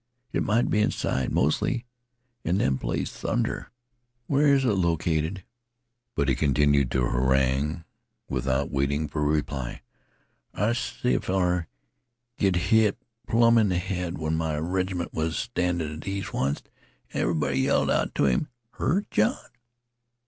It might be inside mostly, an' them plays thunder. Where is it located?" But he continued his harangue without waiting for a reply. "I see 'a feller git hit plum in th' head when my reg'ment was a standin' at ease onct. An' everybody yelled out to 'im: Hurt, John?